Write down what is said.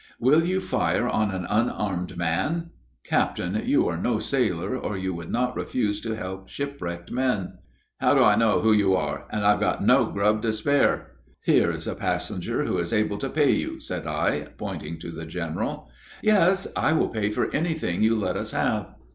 "Will you fire on an unarmed man? Captain, you are no sailor, or you would not refuse to help shipwrecked men." "How do I know who you are? And I've got no grub to spare." "Here is a passenger who is able to pay you," said I, pointing to the general. "Yes; I will pay for anything you let us have."